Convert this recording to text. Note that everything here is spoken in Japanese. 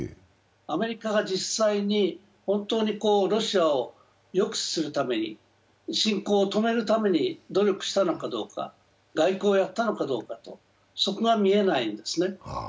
アメリカが実際に本当にロシアを抑止するために、侵攻を止めるために努力したのかどうか、外交をやったのかどうか、そこが見えないんですね。